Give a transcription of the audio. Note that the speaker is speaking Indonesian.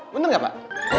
bener nggak pak